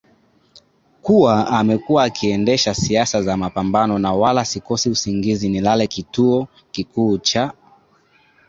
kuwa amekuwa akiendesha siasa za mapambanoNa wala sikosi usingizi Nilale kituo kikuu cha